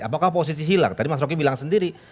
apakah posisi hilang tadi mas roky bilang sendiri